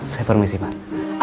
saya permisi pak